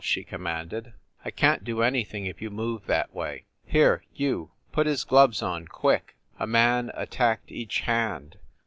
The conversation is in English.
she commanded. "I can t do anything if you move that way! Here, you, put his gloves on quick!" A man attacked each hand.